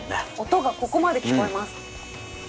音がここまで聞こえます。